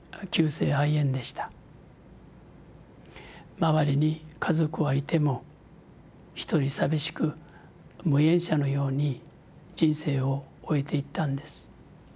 周りに家族はいても一人寂しく無縁者のように人生を終えていったんです。